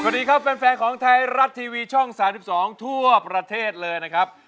สวัสดีครับแฟนของไทยรัฐทีวีช่อง๓๒ทั่วประเทศเลยนะครับ